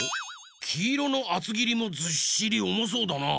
きいろのあつぎりもずっしりおもそうだな。